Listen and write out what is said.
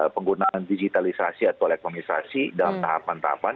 penggunaan digitalisasi atau elektronisasi dalam tahapan tahapan